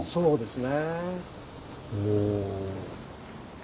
そうですね。